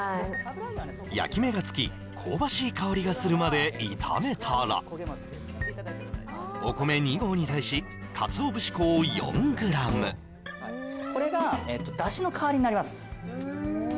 焼き目がつき香ばしい香りがするまで炒めたらお米２合に対しかつお節粉を４ｇになります